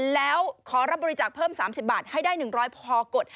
แล้วขอรับบริจาคเพิ่ม๓๐บาทให้ได้๑๐๐พอกด